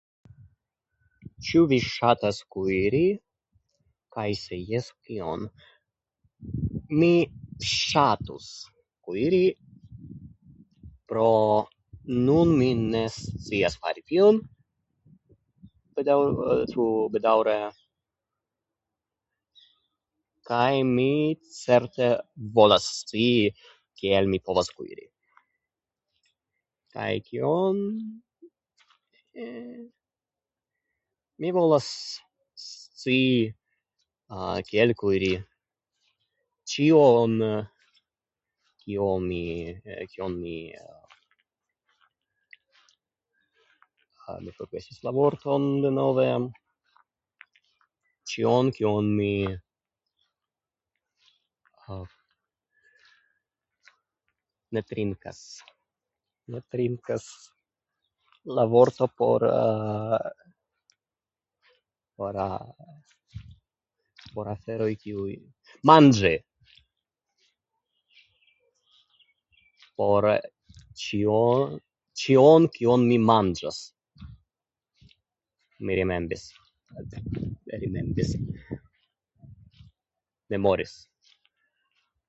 Ĉu vi ŝatas kuiri kaj se jes, kion? Mi ŝatus kuiri pro nun mi ne scias fari tion, bedaŭ, tfu, bedaŭre. Kaj mi certe volas scii, kiel mi povas kuiri. Kaj kion? Me... Mi volas scii kiel kuiri ĉion, kio mi kion mi mi forgesis la vorton denove. Ĉion, kion mi... A, ne trinkas, ne trinkas, la vorto por, a-a-a, por a- por aferoj, kiuj... Manĝi! Por ĉio ĉion, kion mi manĝas. Mi remembis, mi remembis. Memoris!